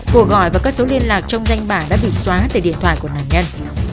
của gọi và các số liên lạc trong danh bản đã bị xóa từ điện thoại của nạn nhân